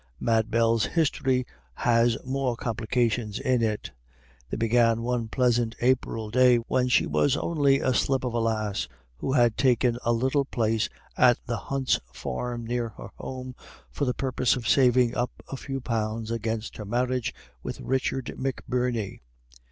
Mad Bell's history has more complications in it. They began one pleasant April day when she was only a slip of a lass, who had taken a little place at the Hunts' farm near her home, for the purpose of saving up a few pounds against her marriage with Richard McBirney.